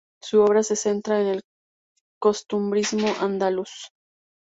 Su obra se centra en el costumbrismo andaluz.